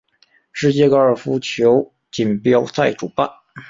世界高尔夫球锦标赛主办。